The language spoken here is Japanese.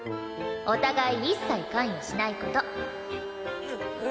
お互い一切関与しない事。